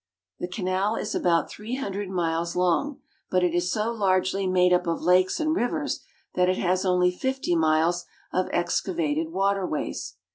The canal is about three hundred miles long, but it is so largely made up of lakes and rivers that it has only fifty miles of excavated water ways.